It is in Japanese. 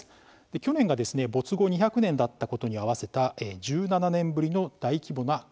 去年が没後２００年だったことに合わせた１７年ぶりの大規模な回顧展です。